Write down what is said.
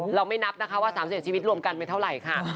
เราไม่นับนะคะว่า๓๑ชีวิตรวมกันไม่เท่าไหร่ค่ะ